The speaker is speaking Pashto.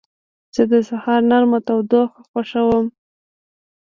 زه د سهار نرمه تودوخه خوښوم.